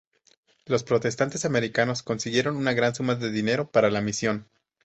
Los protestantes americanos consiguieron una gran suma de dinero para la misión.